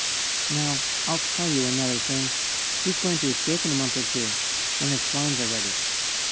Now I'll tell you another thing, he's going to escape in a month or two, when his plans are ready.